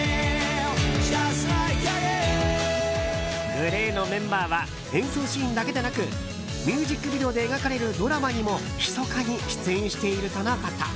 ＧＬＡＹのメンバーは演奏シーンだけでなくミュージックビデオで描かれるドラマにもひそかに出演しているとのこと。